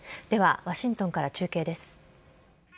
では、ワシントンから中継です。